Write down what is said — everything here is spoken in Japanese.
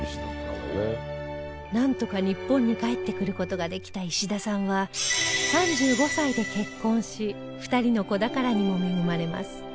なんとか日本に帰ってくる事ができた石田さんは３５歳で結婚し２人の子宝にも恵まれます